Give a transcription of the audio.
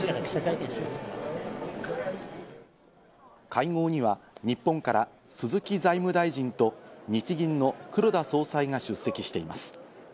会合には日本から鈴木財務大臣と日銀の黒田総裁が出席しています。